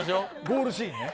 ゴールシーンね。